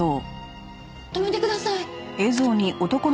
止めてください！